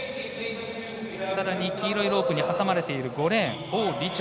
さらに黄色いロープに挟まれている５レーン、王李超。